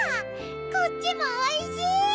こっちもおいしい！